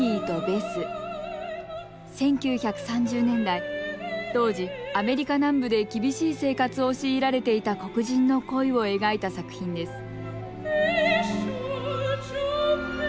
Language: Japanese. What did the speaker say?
１９３０年代当時アメリカ南部で厳しい生活を強いられていた黒人の恋を描いた作品です